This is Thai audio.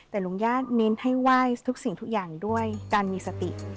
แต่ลุงญาติเน้นให้ไหว้ทุกสิ่งทุกอย่างด้วยการมีสติ